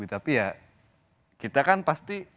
tapi ya kita kan pasti